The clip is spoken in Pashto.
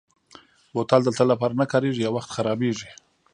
بوتل د تل لپاره نه کارېږي، یو وخت خرابېږي.